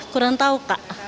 kurang tahu kak